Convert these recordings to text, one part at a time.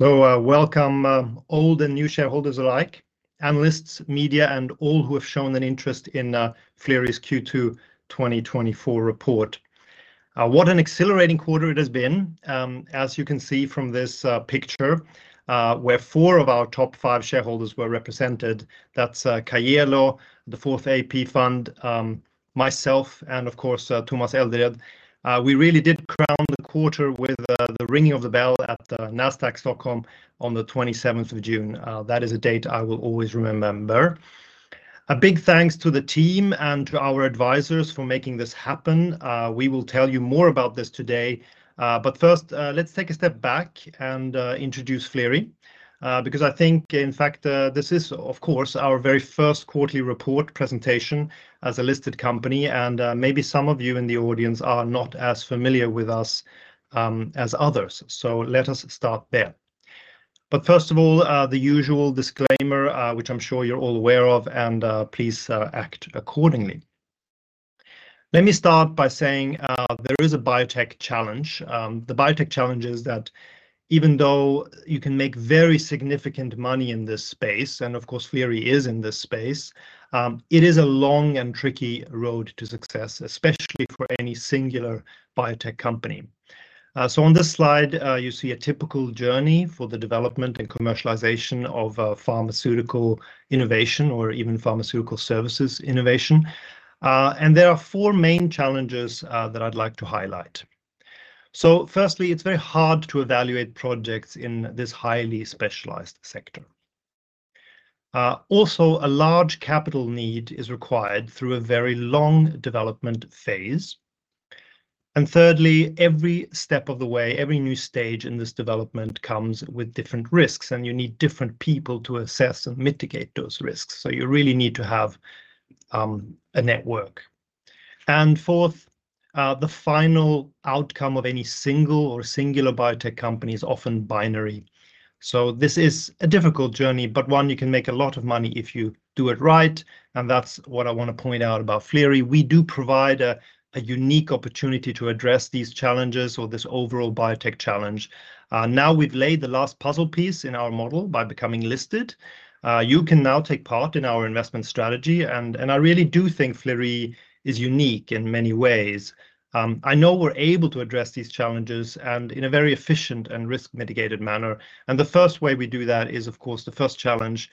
So, welcome, old and new shareholders alike, analysts, media, and all who have shown an interest in Flerie's Q2 2024 Report. What an accelerating quarter it has been. As you can see from this picture, where four of our top five shareholders were represented. That's Caiella, the Fourth AP Fund, myself, and of course, Thomas Eldered. We really did crown the quarter with the ringing of the bell at the Nasdaq Stockholm on the twenty-seventh of June. That is a date I will always remember. A big thanks to the team and to our advisors for making this happen. We will tell you more about this today. But first, let's take a step back and introduce Flerie, because I think, in fact, this is, of course, our very first quarterly report presentation as a listed company, and maybe some of you in the audience are not as familiar with us as others. So let us start there. But first of all, the usual disclaimer, which I'm sure you're all aware of, and please act accordingly. Let me start by saying, there is a biotech challenge. The biotech challenge is that even though you can make very significant money in this space, and of course, Flerie is in this space, it is a long and tricky road to success, especially for any singular biotech company. So on this slide, you see a typical journey for the development and commercialization of pharmaceutical innovation or even pharmaceutical services innovation. And there are four main challenges that I'd like to highlight. So firstly, it's very hard to evaluate projects in this highly specialized sector. Also, a large capital need is required through a very long development phase. And thirdly, every step of the way, every new stage in this development comes with different risks, and you need different people to assess and mitigate those risks. So you really need to have a network. And fourth, the final outcome of any single or singular biotech company is often binary. So this is a difficult journey, but one you can make a lot of money if you do it right, and that's what I want to point out about Flerie. We do provide a unique opportunity to address these challenges or this overall biotech challenge. Now we've laid the last puzzle piece in our model by becoming listed. You can now take part in our investment strategy, and I really do think Flerie is unique in many ways. I know we're able to address these challenges and in a very efficient and risk-mitigated manner. The first way we do that is, of course, the first challenge.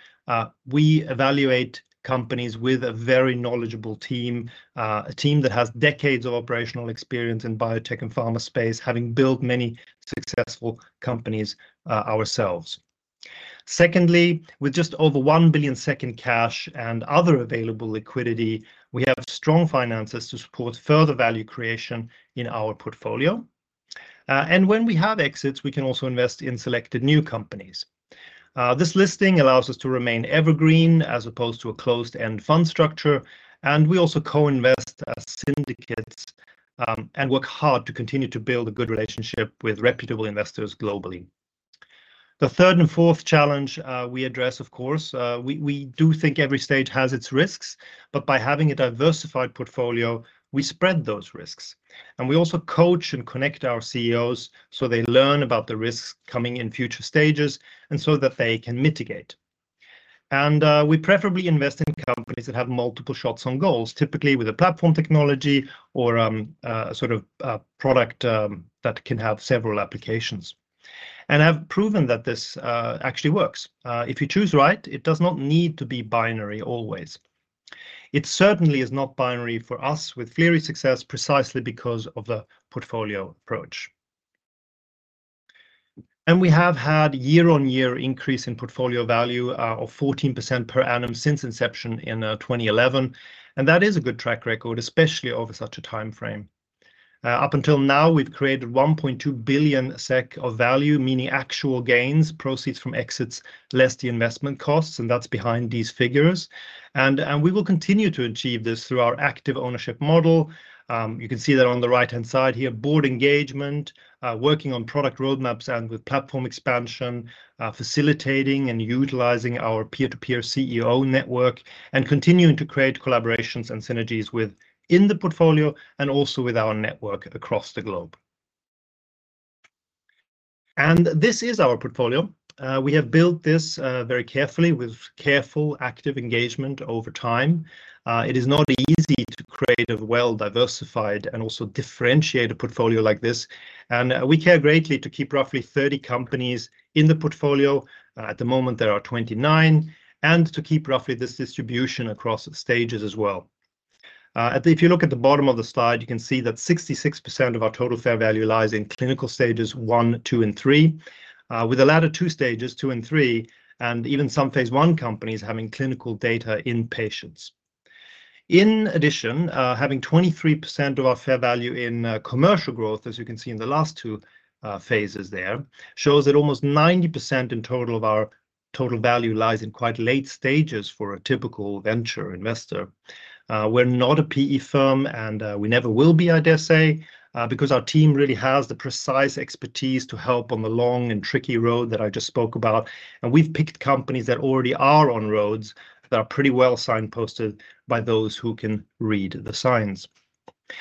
We evaluate companies with a very knowledgeable team, a team that has decades of operational experience in biotech and pharma space, having built many successful companies, ourselves. Secondly, with just over 1 billion in cash and other available liquidity, we have strong finances to support further value creation in our portfolio. And when we have exits, we can also invest in selected new companies. This listing allows us to remain evergreen as opposed to a closed-end fund structure, and we also co-invest as syndicates, and work hard to continue to build a good relationship with reputable investors globally. The third and fourth challenge, we address, of course, we do think every stage has its risks, but by having a diversified portfolio, we spread those risks. And we also coach and connect our CEOs so they learn about the risks coming in future stages and so that they can mitigate. And we preferably invest in companies that have multiple shots on goals, typically with a platform technology or, sort of, product, that can have several applications. And I've proven that this actually works. If you choose right, it does not need to be binary always. It certainly is not binary for us with Flerie success precisely because of the portfolio approach. And we have had year-on-year increase in portfolio value, of 14% per annum since inception in, 2011, and that is a good track record, especially over such a time frame. Up until now, we've created 1.2 billion SEK of value, meaning actual gains, proceeds from exits, less the investment costs, and that's behind these figures. And we will continue to achieve this through our active ownership model. You can see that on the right-hand side here, board engagement, working on product roadmaps and with platform expansion, facilitating and utilizing our peer-to-peer CEO network, and continuing to create collaborations and synergies within the portfolio and also with our network across the globe. This is our portfolio. We have built this very carefully with careful, active engagement over time. It is not easy to create a well-diversified and also differentiated portfolio like this. We care greatly to keep roughly 30 companies in the portfolio. At the moment, there are 29, and to keep roughly this distribution across stages as well. At the... If you look at the bottom of the slide, you can see that 66% of our total fair value lies in clinical stages one, two, and three, with the latter two stages, two and three, and even some phase I companies having clinical data in patients. In addition, having 23% of our fair value in commercial growth, as you can see in the last two phases there, shows that almost 90% in total of our total value lies in quite late stages for a typical venture investor. We're not a PE firm, and we never will be, I dare say, because our team really has the precise expertise to help on the long and tricky road that I just spoke about. We've picked companies that already are on roads that are pretty well signposted by those who can read the signs....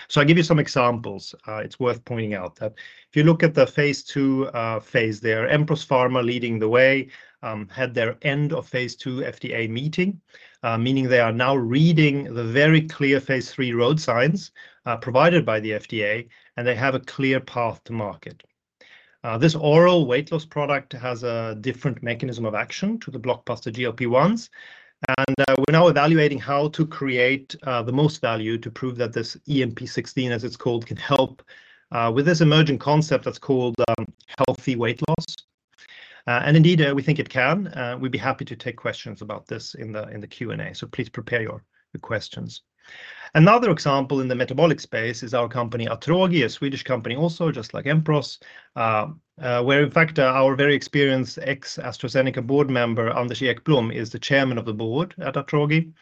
So I'll give you some examples. It's worth pointing out that if you look at the phase II, phase there, Empros Pharma leading the way, had their end of phase II FDA meeting, meaning they are now reading the very clear phase III road signs, provided by the FDA, and they have a clear path to market. This oral weight loss product has a different mechanism of action to the blockbuster GLP-1s, and, we're now evaluating how to create, the most value to prove that this EMP16, as it's called, can help, with this emerging concept that's called, healthy weight loss. And indeed, we think it can. We'd be happy to take questions about this in the Q&A, so please prepare your questions. Another example in the metabolic space is our company, Atrogi, a Swedish company also, just like Empros, where in fact, our very experienced ex-AstraZeneca board member, Anders Ekblom, is the chairman of the board at Atrogi.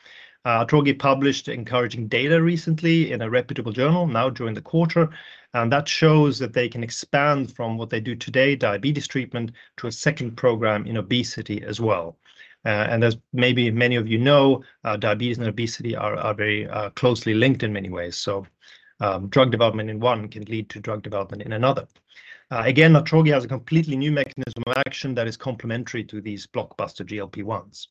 Atrogi published encouraging data recently in a reputable journal, now during the quarter, and that shows that they can expand from what they do today, diabetes treatment, to a second program in obesity as well. And as maybe many of you know, diabetes and obesity are very closely linked in many ways. So, drug development in one can lead to drug development in another. Again, Atrogi has a completely new mechanism of action that is complementary to these blockbuster GLP-1s.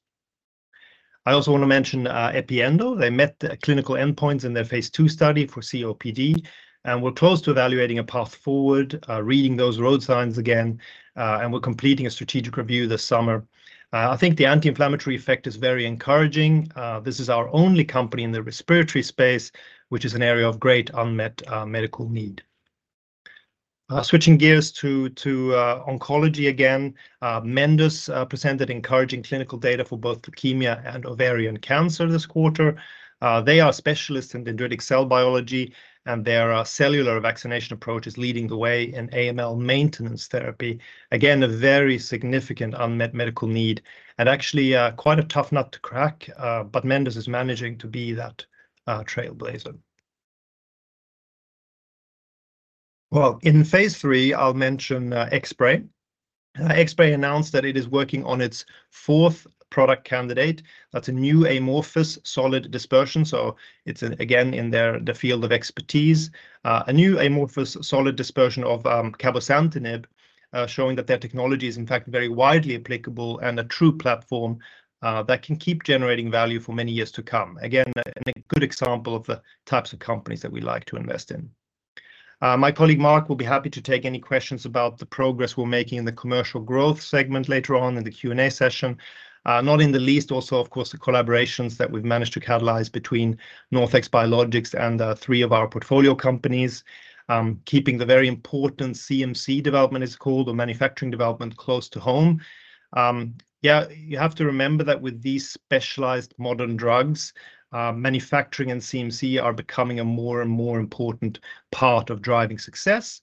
I also want to mention, EpiEndo. They met the clinical endpoints in their phase II study for COPD, and we're close to evaluating a path forward, reading those road signs again, and we're completing a strategic review this summer. I think the anti-inflammatory effect is very encouraging. This is our only company in the respiratory space, which is an area of great unmet medical need. Switching gears to oncology again, Mendus presented encouraging clinical data for both leukemia and ovarian cancer this quarter. They are specialists in dendritic cell biology, and their cellular vaccination approach is leading the way in AML maintenance therapy. Again, a very significant unmet medical need, and actually, quite a tough nut to crack, but Mendus is managing to be that trailblazer. Well, in phase III, I'll mention Xspray. Xspray announced that it is working on its fourth product candidate. That's a new amorphous solid dispersion, so it's again in their field of expertise. A new amorphous solid dispersion of cabozantinib showing that their technology is, in fact, very widely applicable and a true platform that can keep generating value for many years to come. Again, a good example of the types of companies that we like to invest in. My colleague, Mark, will be happy to take any questions about the progress we're making in the commercial growth segment later on in the Q&A session. Not in the least also, of course, the collaborations that we've managed to catalyse between NorthX Biologics and three of our portfolio companies. Keeping the very important CMC development, it's called, the manufacturing development, close to home. Yeah, you have to remember that with these specialized modern drugs, manufacturing and CMC are becoming a more and more important part of driving success,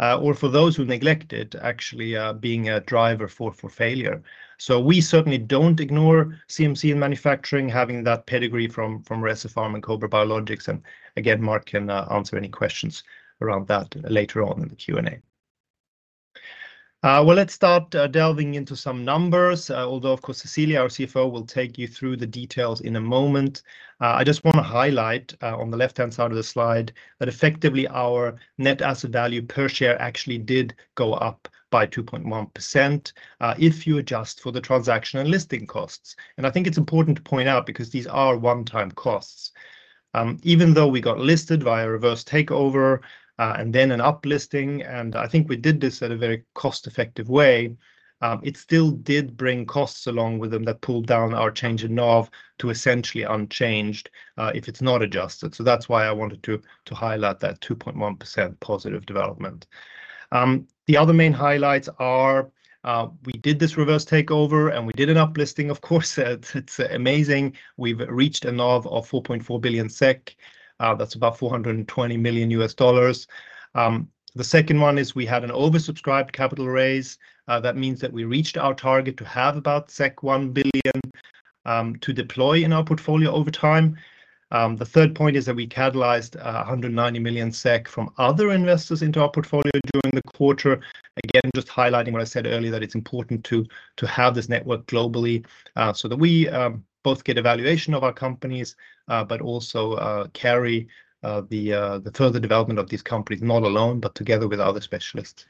or for those who neglect it, actually, being a driver for, for failure. So we certainly don't ignore CMC in manufacturing, having that pedigree from, from Recipharm and Cobra Biologics. And again, Mark can answer any questions around that later on in the Q&A. Well, let's start delving into some numbers, although, of course, Cecilia, our CFO, will take you through the details in a moment. I just want to highlight, on the left-hand side of the slide, that effectively our net asset value per share actually did go up by 2.1%, if you adjust for the transaction and listing costs. I think it's important to point out, because these are one-time costs. Even though we got listed via a reverse takeover, and then an up-listing, and I think we did this at a very cost-effective way, it still did bring costs along with them that pulled down our change in NAV to essentially unchanged, if it's not adjusted. So that's why I wanted to highlight that 2.1% positive development. The other main highlights are, we did this reverse takeover, and we did an up-listing, of course. It's amazing. We've reached a NAV of 4.4 billion SEK. That's about $420 million. The second one is we had an oversubscribed capital raise. That means that we reached our target to have about 1 billion to deploy in our portfolio over time. The third point is that we catalysed 190 million SEK from other investors into our portfolio during the quarter. Again, just highlighting what I said earlier, that it's important to have this network globally, so that we both get a valuation of our companies, but also carry the further development of these companies, not alone, but together with other specialists.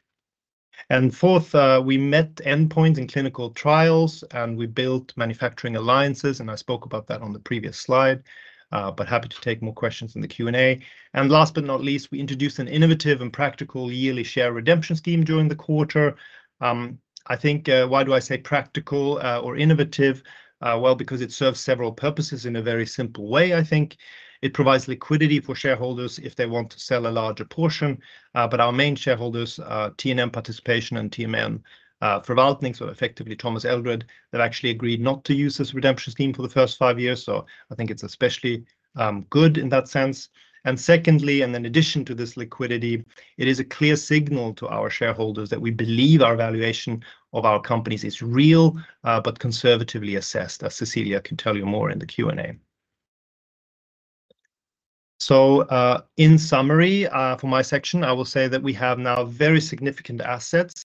And fourth, we met endpoints in clinical trials, and we built manufacturing alliances, and I spoke about that on the previous slide, but happy to take more questions in the Q&A. And last but not least, we introduced an innovative and practical yearly share redemption scheme during the quarter. I think, why do I say practical, or innovative? Well, because it serves several purposes in a very simple way, I think. It provides liquidity for shareholders if they want to sell a larger portion. But our main shareholders, TNM Participations and TNM Förvaltning, so effectively, Thomas Eldered, that actually agreed not to use this redemption scheme for the first five years. So I think it's especially good in that sense. And secondly, and in addition to this liquidity, it is a clear signal to our shareholders that we believe our valuation of our companies is real, but conservatively assessed, as Cecilia can tell you more in the Q&A. So, in summary, for my section, I will say that we have now very significant assets....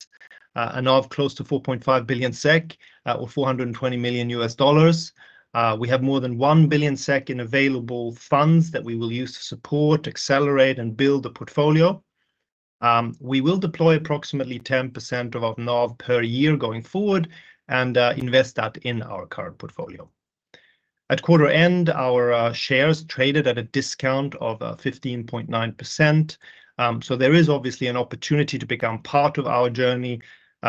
A NAV close to 4.5 billion SEK, or $420 million. We have more than 1 billion SEK in available funds that we will use to support, accelerate, and build the portfolio. We will deploy approximately 10% of our NAV per year going forward and invest that in our current portfolio. At quarter end, our shares traded at a discount of 15.9%. So there is obviously an opportunity to become part of our journey,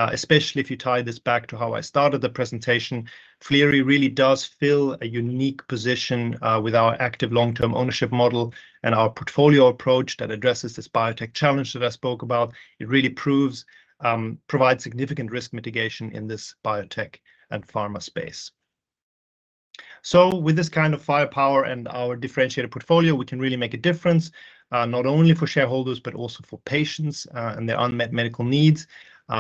especially if you tie this back to how I started the presentation. Flerie really does fill a unique position with our active long-term ownership model and our portfolio approach that addresses this biotech challenge that I spoke about. It really provides significant risk mitigation in this biotech and pharma space. So with this kind of firepower and our differentiated portfolio, we can really make a difference, not only for shareholders, but also for patients, and their unmet medical needs,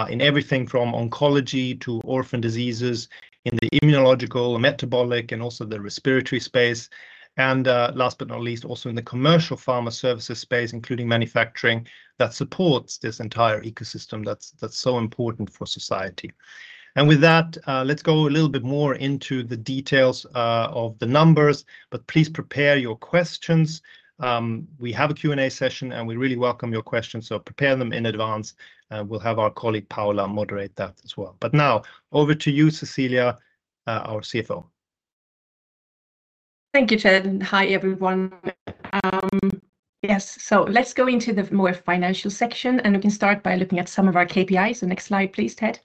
in everything from oncology to orphan diseases, in the immunological, metabolic, and also the respiratory space. Last but not least, also in the commercial pharma services space, including manufacturing, that supports this entire ecosystem that's so important for society. With that, let's go a little bit more into the details of the numbers, but please prepare your questions. We have a Q&A session, and we really welcome your questions, so prepare them in advance, and we'll have our colleague, Paula, moderate that as well. But now over to you, Cecilia, our CFO. Thank you, Ted. Hi, everyone. Yes, so let's go into the more financial section, and we can start by looking at some of our KPIs. The next slide, please, Ted.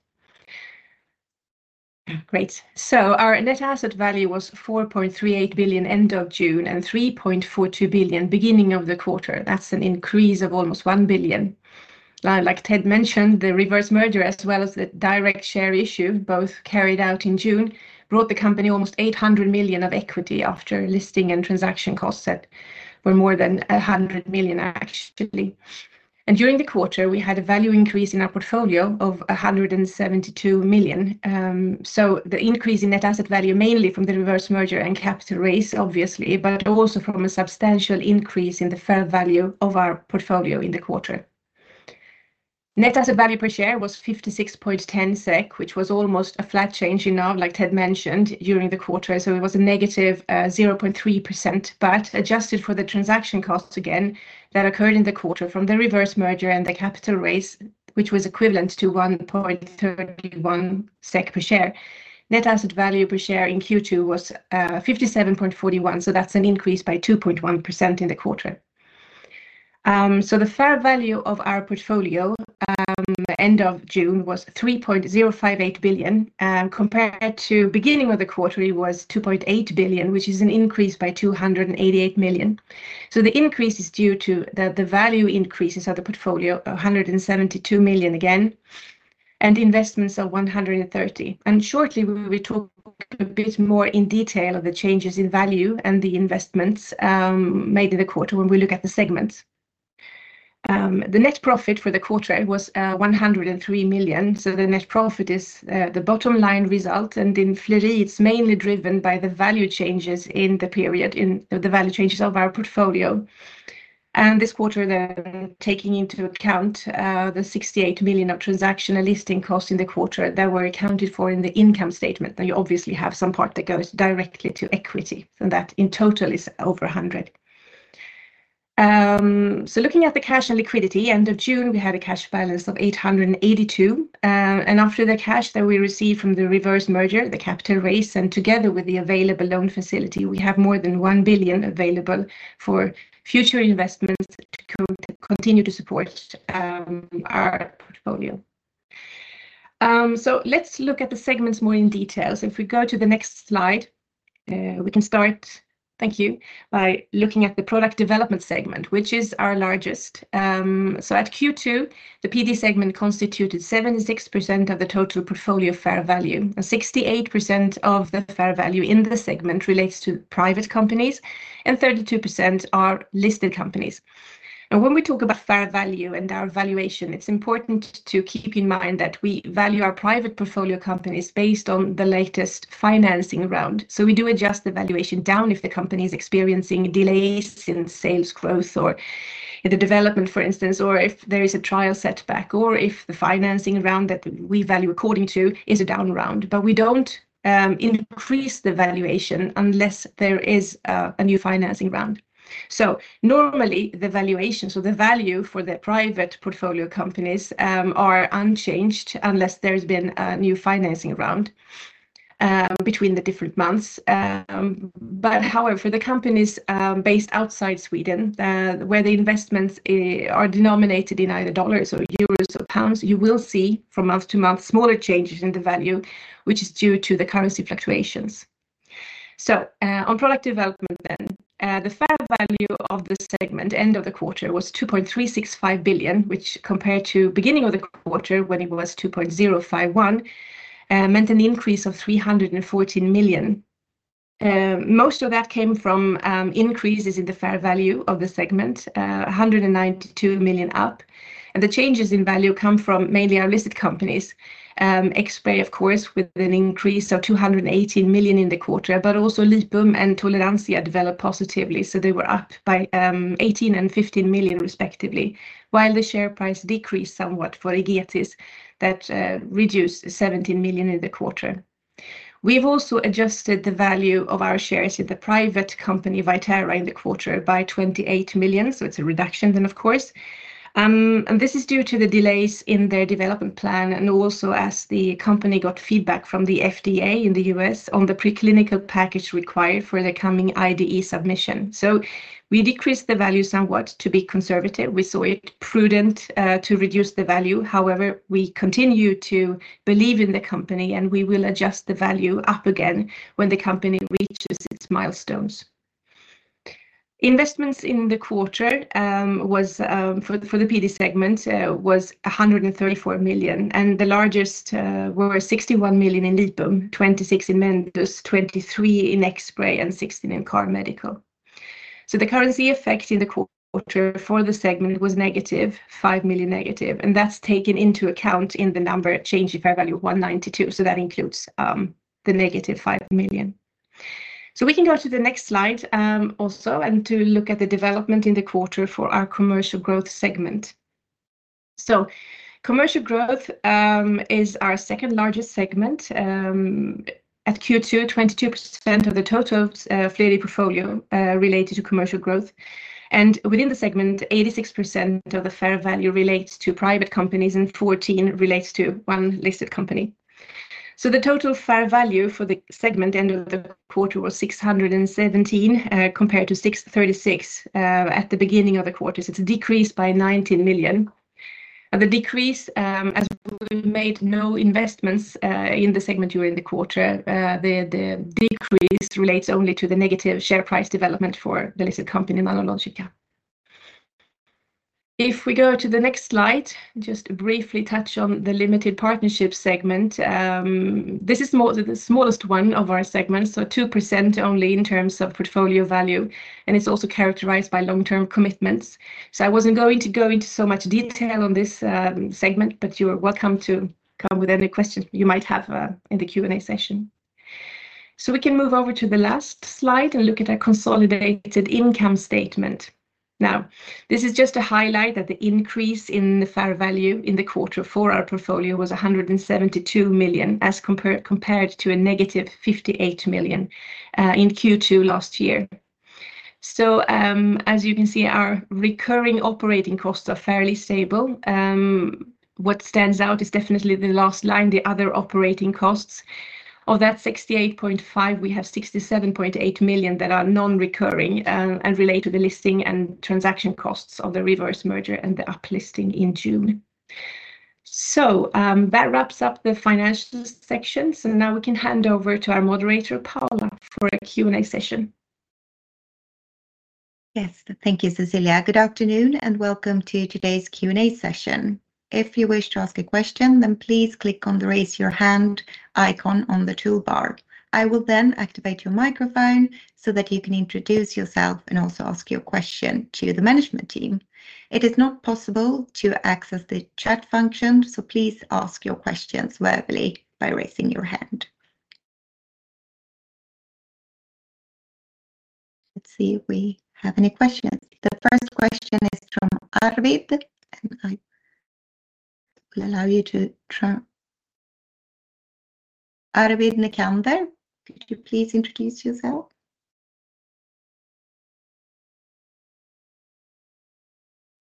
Great. So our net asset value was 4.38 billion end of June and 3.42 billion beginning of the quarter. That's an increase of almost 1 billion. Like Ted mentioned, the reverse merger, as well as the direct share issue, both carried out in June, brought the company almost 800 million of equity after listing and transaction costs that were more than 100 million, actually. During the quarter, we had a value increase in our portfolio of 172 million. So the increase in net asset value, mainly from the reverse merger and capital raise, obviously, but also from a substantial increase in the fair value of our portfolio in the quarter. Net asset value per share was 56.10 SEK, which was almost a flat change in NAV, like Ted mentioned, during the quarter, so it was a negative 0.3%. But adjusted for the transaction costs again, that occurred in the quarter from the reverse merger and the capital raise, which was equivalent to 1.31 SEK per share. Net asset value per share in Q2 was 57.41, so that's an increase by 2.1% in the quarter. So the fair value of our portfolio, end of June, was 3.058 billion, compared to beginning of the quarter, it was 2.8 billion, which is an increase by 288 million. So the increase is due to the value increases of the portfolio, 172 million again, and the investments are 130 million. And shortly, we will talk a bit more in detail of the changes in value and the investments made in the quarter when we look at the segments. The net profit for the quarter was 103 million. So the net profit is the bottom line result, and in Flerie, it's mainly driven by the value changes in the period, in the value changes of our portfolio. This quarter, they're taking into account the 68 million of transaction and listing costs in the quarter that were accounted for in the income statement. Now, you obviously have some part that goes directly to equity, and that in total is over 100. So looking at the cash and liquidity, end of June, we had a cash balance of 882 million. And after the cash that we received from the reverse merger, the capital raise, and together with the available loan facility, we have more than 1 billion available for future investments to continue to support our portfolio. So let's look at the segments more in details. If we go to the next slide, we can start, thank you, by looking at the product development segment, which is our largest. So at Q2, the PD segment constituted 76% of the total portfolio fair value, and 68% of the fair value in the segment relates to private companies, and 32% are listed companies. And when we talk about fair value and our valuation, it's important to keep in mind that we value our private portfolio companies based on the latest financing round. So we do adjust the valuation down if the company is experiencing delays in sales growth or in the development, for instance, or if there is a trial setback, or if the financing round that we value according to is a down round. But we don't increase the valuation unless there is a new financing round. So normally, the valuation, so the value for the private portfolio companies, are unchanged unless there's been a new financing round between the different months. But however, the companies based outside Sweden, where the investments are denominated in either dollars or euros or pounds, you will see from month to month, smaller changes in the value, which is due to the currency fluctuations. So, on product development then, the fair value of the segment, end of the quarter, was 2.365 billion, which compared to beginning of the quarter, when it was 2.051, meant an increase of 314 million. Most of that came from, increases in the fair value of the segment, 192 million up. And the changes in value come from mainly our listed companies.... Xspray, of course, with an increase of 218 million in the quarter, but also Lipum and Toleransia developed positively, so they were up by 18 and 15 million respectively, while the share price decreased somewhat for Egetis, that reduced 17 million in the quarter. We've also adjusted the value of our shares in the private company, Ventinova, in the quarter by 28 million, so it's a reduction then, of course. And this is due to the delays in their development plan, and also as the company got feedback from the FDA in the U.S. on the preclinical package required for the coming IDE submission. So we decreased the value somewhat to be conservative. We saw it prudent to reduce the value. However, we continue to believe in the company, and we will adjust the value up again when the company reaches its milestones. Investments in the quarter was for the PD segment was 134 million, and the largest were 61 million in Lipum, 26 million in Mendus, 23 million in Xspray, and 16 million in Kancera. So the currency effect in the quarter for the segment was negative 5 million, and that's taken into account in the number change in fair value of 192 million, so that includes the negative 5 million. So we can go to the next slide also, and to look at the development in the quarter for our commercial growth segment. So commercial growth is our second-largest segment. At Q2, 22% of the total Flerie portfolio related to commercial growth, and within the segment, 86% of the fair value relates to private companies, and 14% relates to one listed company. So the total fair value for the segment end of the quarter was 617 million, compared to 636 million at the beginning of the quarter. So it's decreased by 19 million. The decrease, as we made no investments in the segment during the quarter, the decrease relates only to the negative share price development for the listed company in Nanologica. If we go to the next slide, just briefly touch on the limited partnership segment. This is the smallest one of our segments, so 2% only in terms of portfolio value, and it's also characterized by long-term commitments. So I wasn't going to go into so much detail on this segment, but you are welcome to come with any questions you might have in the Q&A session. So we can move over to the last slide and look at a consolidated income statement. Now, this is just to highlight that the increase in the fair value in the quarter for our portfolio was 172 million, as compared to a negative 58 million in Q2 last year. So, as you can see, our recurring operating costs are fairly stable. What stands out is definitely the last line, the other operating costs. Of that 68.5 million, we have 67.8 million that are non-recurring and relate to the listing and transaction costs of the reverse merger and the uplisting in June. That wraps up the financial section, so now we can hand over to our moderator, Paula, for a Q&A session. Yes, thank you, Cecilia. Good afternoon, and welcome to today's Q&A session. If you wish to ask a question, then please click on the Raise Your Hand icon on the toolbar. I will then activate your microphone so that you can introduce yourself and also ask your question to the management team. It is not possible to access the chat function, so please ask your questions verbally by raising your hand. Let's see if we have any questions. The first question is from Arvid. And I will allow you to, Arvid Necander, could you please introduce yourself?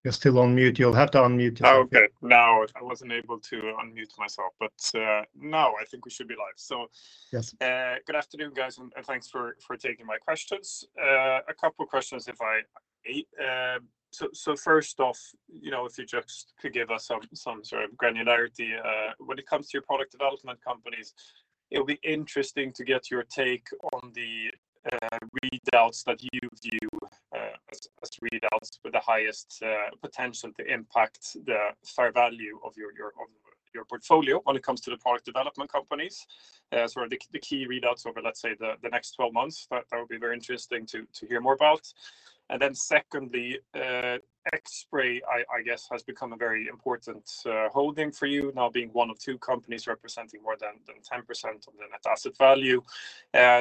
You're still on mute. You'll have to unmute. Okay, now, I wasn't able to unmute myself, but, now I think we should be live. So- Yes. Good afternoon, guys, and thanks for taking my questions. A couple questions if I may. So first off, you know, if you just could give us some sort of granularity when it comes to your product development companies, it'll be interesting to get your take on the readouts that you view as readouts with the highest potential to impact the fair value of your portfolio when it comes to the product development companies. Sort of the key readouts over, let's say, the next 12 months, that would be very interesting to hear more about. And then secondly, Xspray, I guess, has become a very important holding for you, now being one of two companies representing more than 10% of the net asset value.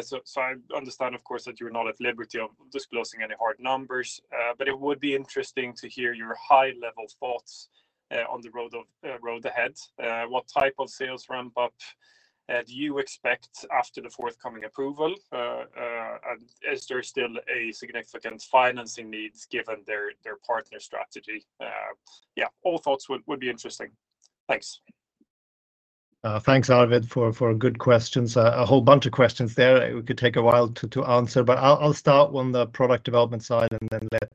So, I understand, of course, that you're not at liberty of disclosing any hard numbers, but it would be interesting to hear your high-level thoughts on the road ahead. And is there still a significant financing needs given their partner strategy? Yeah, all thoughts would be interesting. Thanks. Thanks, Arvid, for good questions. A whole bunch of questions there it would take a while to answer, but I'll start on the product development side and then let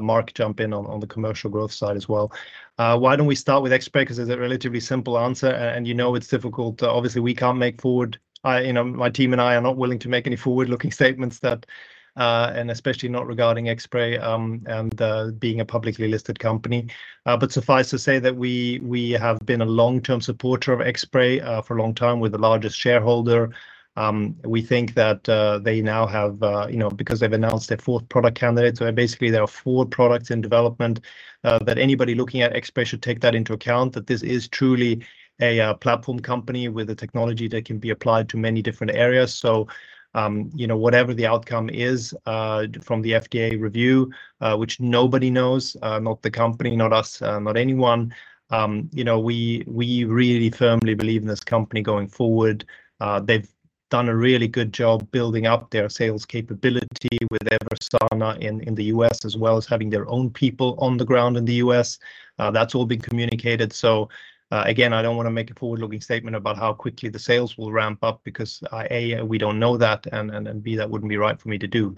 Mark jump in on the commercial growth side as well. Why don't we start with Xspray? 'Cause it's a relatively simple answer, and you know, it's difficult. Obviously, we can't make forward-looking statements, you know. My team and I are not willing to make any forward-looking statements, and especially not regarding Xspray, and being a publicly listed company. But suffice to say that we have been a long-term supporter of Xspray for a long time. We're the largest shareholder. We think that they now have, you know, because they've announced their fourth product candidate, so basically, there are four products in development, that anybody looking at Xspray should take that into account, that this is truly a platform company with a technology that can be applied to many different areas. So, you know, whatever the outcome is from the FDA review, which nobody knows, not the company, not us, not anyone, you know, we really firmly believe in this company going forward. They've done a really good job building up their sales capability with Eversana in the U.S., as well as having their own people on the ground in the U.S. That's all been communicated. So, again, I don't wanna make a forward-looking statement about how quickly the sales will ramp up, because, A, we don't know that, and, B, that wouldn't be right for me to do.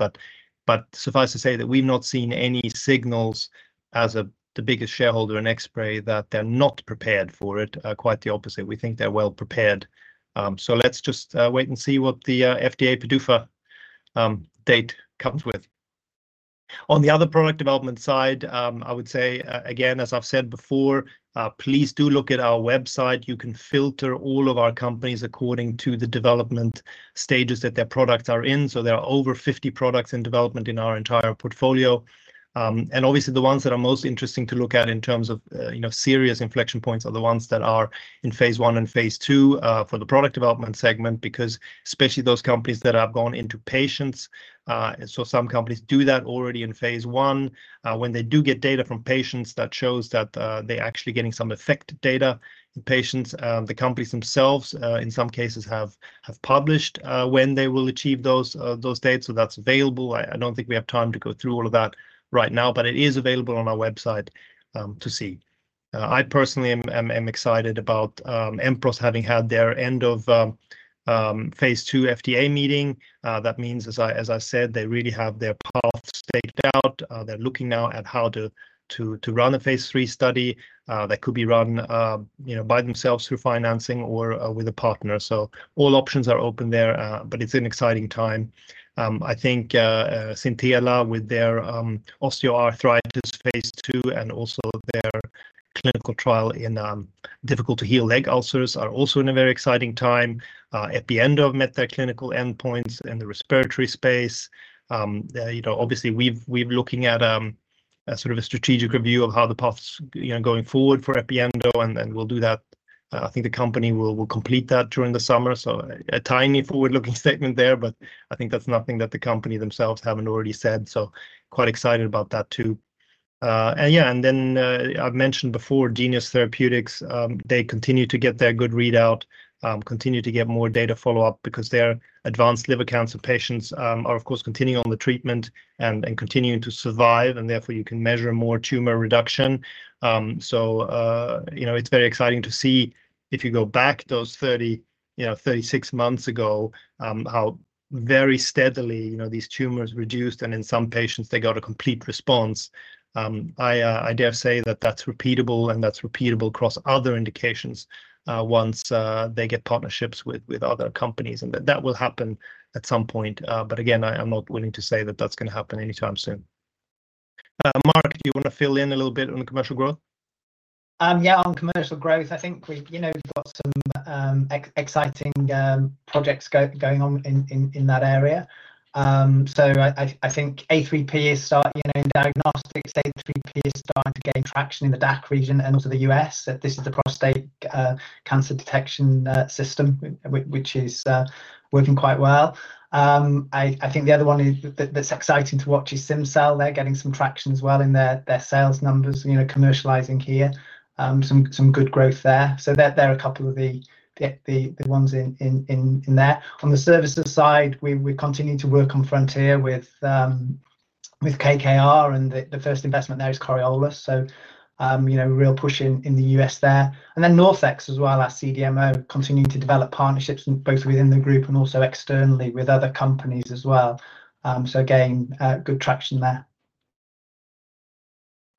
But suffice to say that we've not seen any signals as the biggest shareholder in Xspray that they're not prepared for it. Quite the opposite, we think they're well-prepared. So let's just wait and see what the FDA PDUFA date comes with. On the other product development side, I would say, again, as I've said before, please do look at our website. You can filter all of our companies according to the development stages that their products are in. So there are over 50 products in development in our entire portfolio. And obviously, the ones that are most interesting to look at in terms of, you know, serious inflection points, are the ones that are in phase I and phase II, for the product development segment, because especially those companies that have gone into patients. So some companies do that already in phase I. When they do get data from patients, that shows that, they're actually getting some effect data in patients. The companies themselves, in some cases, have published, when they will achieve those dates, so that's available. I don't think we have time to go through all of that right now, but it is available on our website to see. I personally am excited about Empros having had their end-of-phase II FDA meeting. That means, as I said, they really have their path staked out. They're looking now at how to run a phase III study. That could be run, you know, by themselves through financing or with a partner. So all options are open there, but it's an exciting time. I think Synartro, with their osteoarthritis phase II and also their clinical trial in difficult-to-heal leg ulcers, are also in a very exciting time. EpiEndo met clinical endpoints in the respiratory space, you know, obviously we're looking at a sort of a strategic review of how the path's going forward for EpiEndo, and we'll do that. I think the company will complete that during the summer. So a tiny forward-looking statement there, but I think that's nothing that the company themselves haven't already said, so quite excited about that, too. And yeah, and then, I've mentioned before, Geneos Therapeutics, they continue to get their good readout, continue to get more data follow-up, because their advanced liver cancer patients are, of course, continuing on the treatment and continuing to survive, and therefore, you can measure more tumor reduction. So, you know, it's very exciting to see if you go back those 30, you know, 36 months ago, how very steadily, you know, these tumors reduced, and in some patients, they got a complete response. I dare say that that's repeatable, and that's repeatable across other indications, once they get partnerships with other companies, and that will happen at some point. But again, I'm not willing to say that that's gonna happen anytime soon. Mark, do you want to fill in a little bit on the commercial growth? Yeah, on commercial growth, I think we've, you know, we've got some exciting project scope going on in that area. So I think A3P is starting, you know, in diagnostics, A3P is starting to gain traction in the DACH region and also the U.S., that this is the prostate cancer detection system, which is working quite well. I think the other one that's exciting to watch is Symcel. They're getting some traction as well in their sales numbers, you know, commercializing here. Some good growth there. So they're a couple of the ones in that. On the services side, we continue to work on Frontier with KKR, and the first investment there is Coriolis. You know, real push in the U.S. there. Then NorthX as well, our CDMO, continuing to develop partnerships, both within the group and also externally with other companies as well. So again, good traction there.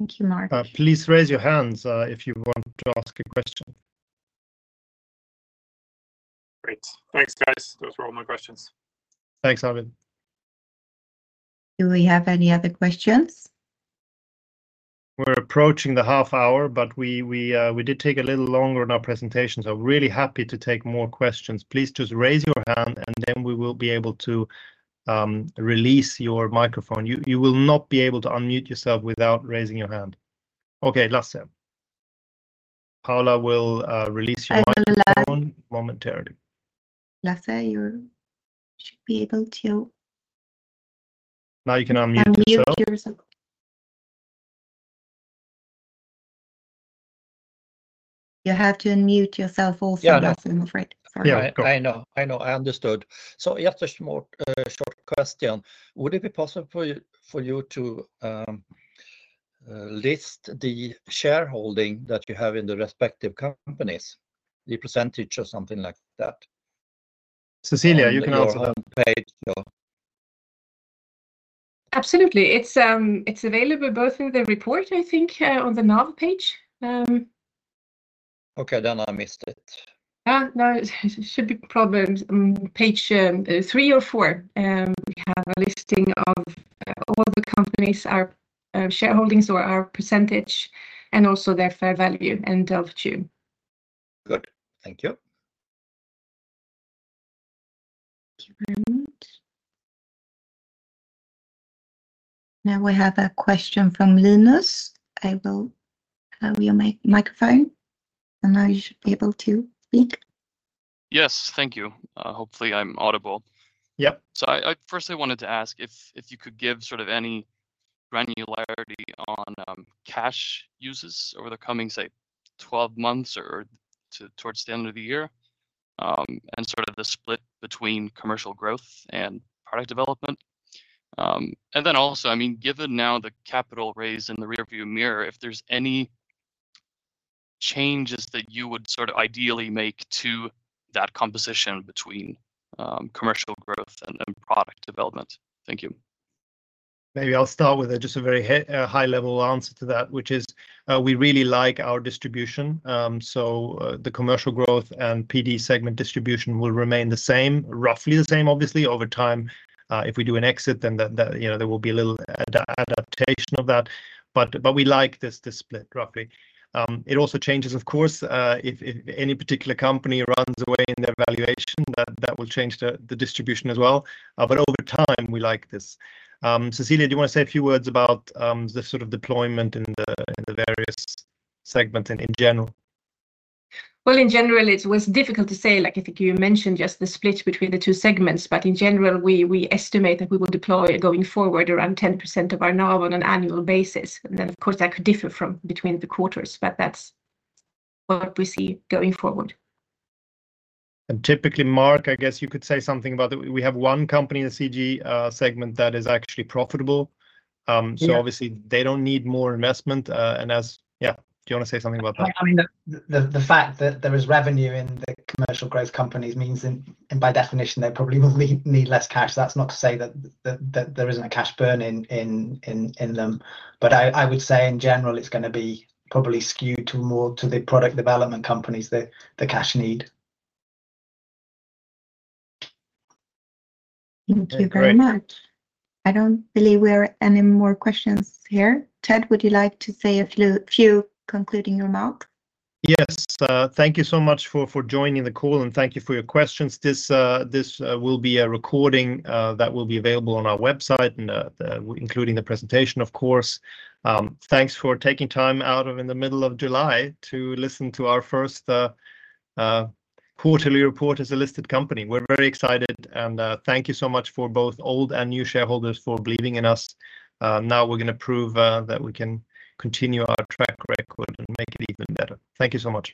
Thank you, Mark. Please raise your hands if you want to ask a question. Great. Thanks, guys. Those were all my questions. Thanks, Arvid. Do we have any other questions? We're approaching the half hour, but we did take a little longer in our presentation, so really happy to take more questions. Please just raise your hand, and then we will be able to release your microphone. You will not be able to unmute yourself without raising your hand. Okay, Lasse. Paula will release your- I will, - microphone momentarily. Lasse, you should be able to- Now you can unmute yourself.... unmute yourself. You have to unmute yourself also- Yeah... Lasse, I'm afraid. Sorry. Yeah, go ahead. I know, I know, I understood. So just a small short question. Would it be possible for you to list the shareholding that you have in the respective companies, the percentage or something like that? Cecilia, you can answer that. Page, uh... Absolutely. It's available both in the report, I think, on the NAV page. Okay, then I missed it. No, it should be portfolio, page 3 or 4. We have a listing of all the companies, our shareholdings or our percentage, and also their fair value as of June. Good. Thank you.... Now we have a question from Linus. I will allow your microphone, and now you should be able to speak. Yes, thank you. Hopefully I'm audible. Yep. So I firstly wanted to ask if you could give sort of any granularity on cash uses over the coming, say, 12 months or towards the end of the year, and sort of the split between commercial growth and product development? And then also, I mean, given now the capital raise in the rearview mirror, if there's any changes that you would sort of ideally make to that composition between commercial growth and product development. Thank you. Maybe I'll start with just a very high-level answer to that, which is, we really like our distribution. So, the commercial growth and PD segment distribution will remain the same, roughly the same, obviously, over time. If we do an exit, then that, you know, there will be a little adaptation of that, but we like this split roughly. It also changes, of course, if any particular company runs away in their valuation, that will change the distribution as well. But over time, we like this. Cecilia, do you wanna say a few words about the sort of deployment in the various segments and in general? Well, in general, it was difficult to say, like, I think you mentioned just the split between the two segments, but in general, we, we estimate that we will deploy going forward around 10% of our NAV on an annual basis. And then, of course, that could differ from between the quarters, but that's what we see going forward. Typically, Mark, I guess you could say something about it. We have one company in the CG segment that is actually profitable. Yeah... so obviously, they don't need more investment, and as, yeah, do you wanna say something about that? I mean, the fact that there is revenue in the commercial growth companies means, and by definition, they probably will need less cash. That's not to say that there isn't a cash burn in them. But I would say, in general, it's gonna be probably skewed to more to the product development companies the cash need. Thank you very much. Great. I don't believe we have any more questions here. Ted, would you like to say a few, few concluding remark? Yes. Thank you so much for joining the call, and thank you for your questions. This will be a recording that will be available on our website, and including the presentation, of course. Thanks for taking time out of in the middle of July to listen to our first quarterly report as a listed company. We're very excited, and thank you so much for both old and new shareholders for believing in us. Now we're gonna prove that we can continue our track record and make it even better. Thank you so much.